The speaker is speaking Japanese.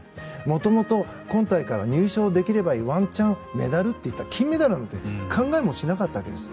もともと今大会は入賞できればいいワンチャンメダルといっていて金メダルなんか考えもしなかったわけです。